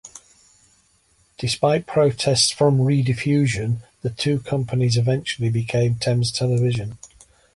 Despite protests from Rediffusion, the two companies eventually became Thames Television.